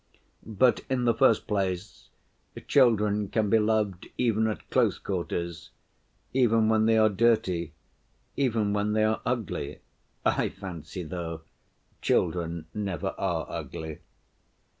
But, in the first place, children can be loved even at close quarters, even when they are dirty, even when they are ugly (I fancy, though, children never are ugly).